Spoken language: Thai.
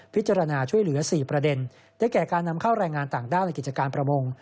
พิจารณาช่วยเหลือ๔ประเด็นได้แก่การนำเข้าแรงงานต่างด้าวในกิจการประมง